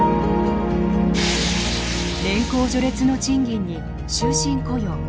年功序列の賃金に終身雇用。